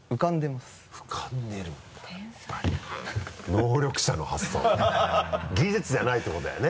能力者の発想だね技術じゃないってことだよね？